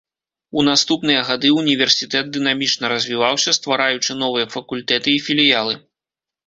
У наступныя гады універсітэт дынамічна развіваўся, ствараючы новыя факультэты і філіялы.